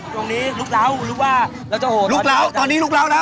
ตรงนี้ลุกเหล้าลุกว่าแล้วเจ้าโหลุกเหล้าตอนนี้ลุกเหล้าแล้ว